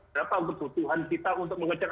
kita tahu kebutuhan kita untuk mengejar